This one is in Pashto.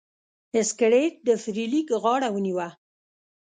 سکلیټ د فلیریک غاړه ونیوه.